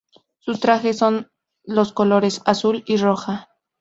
Sus trajes son los colores azul y roja.